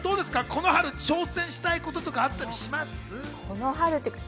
この春、挑戦したいこととかありますか？